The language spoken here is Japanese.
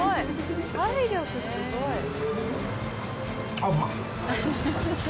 あ、うまっ。